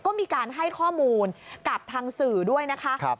ก็มีการให้ข้อมูลกับทางสื่อด้วยนะคะ